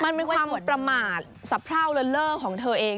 มันเป็นความประมาทสะพร่าวเล่อของเธอเอง